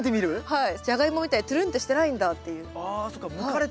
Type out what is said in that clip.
はい。